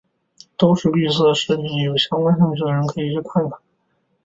都是绿色食品有相关感兴趣的人可以去看看。